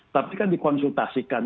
tapi kan dikonsultasikan